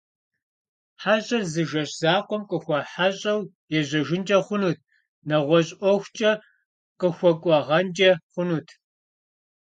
Хьэщӏэр зы жэщ закъуэм къыхуэхьэщӏэу ежьэжынкӏэ хъунут, нэгъуэщӏ ӏуэхукӏэ къыхуэкӏуагъэнкӏэ хъунут.